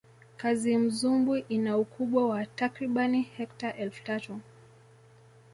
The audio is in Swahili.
kazimzumbwi ina ukubwa wa takribani hekta elfu tatu